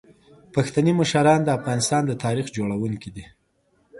پښتني مشران د افغانستان د تاریخ جوړونکي دي.